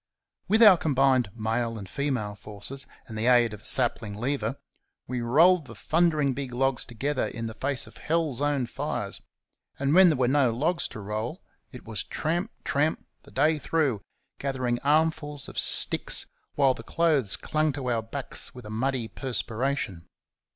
With our combined male and female forces and the aid of a sapling lever we rolled the thundering big logs together in the face of Hell's own fires; and when there were no logs to roll it was tramp, tramp the day through, gathering armfuls of sticks, while the clothes clung to our backs with a muddy perspiration.